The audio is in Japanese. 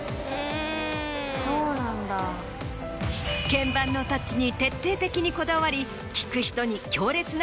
鍵盤のタッチに徹底的にこだわり聴く人に。